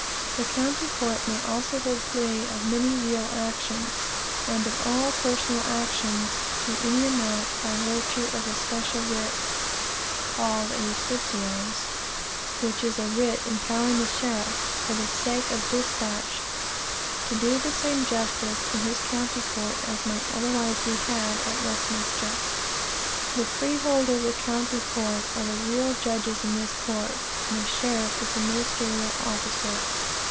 The county court may also hold plea of many real actions, and of all personal actions to any amount, by virtue of a special writ, called a justicies, which is a writ empowering the sheriff, for the sake of despatch, to do the samee justice in his county court as might otherwise be had at Westminster. The freeholders of the county court are the real judges in this court, and the sheriff is the ministerial ofhcer.